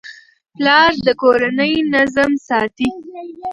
پلار د کورنۍ نظم ساتي.